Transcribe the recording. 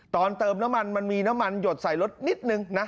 เติมน้ำมันมันมีน้ำมันหยดใส่รถนิดนึงนะ